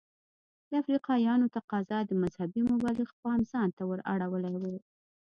د افریقایانو تقاضا د مذهبي مبلغ پام ځانته ور اړولی و.